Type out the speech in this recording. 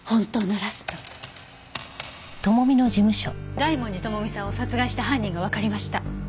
大文字智美さんを殺害した犯人がわかりました。